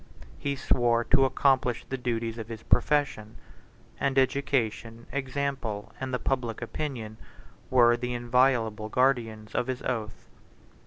He swore to accomplish the duties of his profession; and education, example, and the public opinion, were the inviolable guardians of his oath.